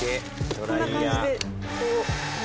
こんな感じでこう。